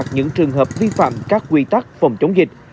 những trường hợp vi phạm các quy tắc phòng chống dịch